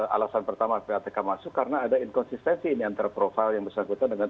alasan pertama ppatk masuk karena ada inkonsistensi ini antara profil yang bersangkutan dengan